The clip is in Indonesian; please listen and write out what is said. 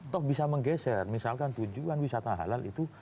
toh bisa menggeser misalkan tujuan wisata halal itu